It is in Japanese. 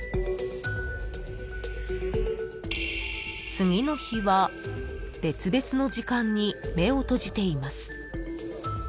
［次の日は別々の時間に目を閉じています］